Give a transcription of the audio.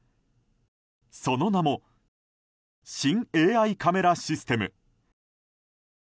その名も新ＡＩカメラシステム。